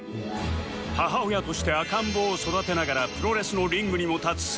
母親として赤ん坊を育てながらプロレスのリングにも立つ生活